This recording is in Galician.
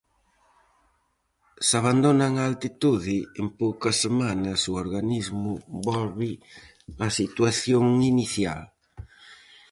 Se abandonan a altitude, en poucas semanas o organismo volve á situación inicial.